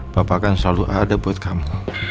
bapak kan selalu ada buat kamu